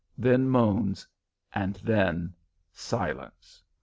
then moans, and then silence.